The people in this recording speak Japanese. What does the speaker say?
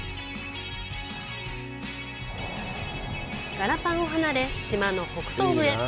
ガラパンを離れ、島の北東部へ。